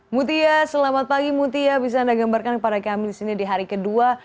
mutia selamat pagi mutia bisa anda gambarkan kepada kami di sini di hari kedua